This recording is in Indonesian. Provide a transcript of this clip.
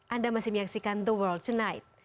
anda masih menyaksikan the world tonight